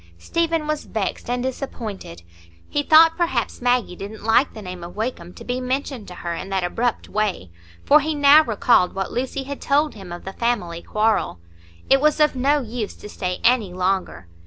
Stephen was vexed and disappointed; he thought perhaps Maggie didn't like the name of Wakem to be mentioned to her in that abrupt way, for he now recalled what Lucy had told him of the family quarrel. It was of no use to stay any longer.